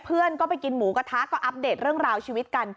เพื่อนก็ไปกินหมูกระทะก็อัปเดตเรื่องราวชีวิตกัน